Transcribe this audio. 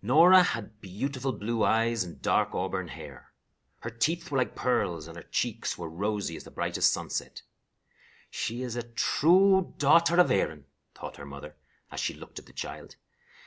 Norah had beautiful blue eyes and dark auburn hair. Her teeth were like pearls and her cheeks were rosy as the brightest sunset. "She is a true daughter of Erin," thought her mother, as she looked at the child.